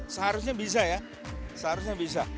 seharusnya bisa ya seharusnya bisa